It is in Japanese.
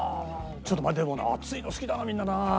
ちょっとでもな熱いの好きだなみんななあ。